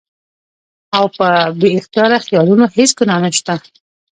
او پۀ بې اختياره خيالونو هېڅ ګناه نشته